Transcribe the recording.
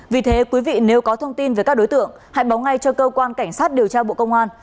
vì thế quý vị nếu có thông tin về các đối tượng hãy báo ngay cho cơ quan cảnh sát điều tra bộ công an